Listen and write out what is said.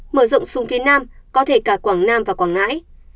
mở rộng xuống phía nam có thể cả quảng nam và quảng ngãi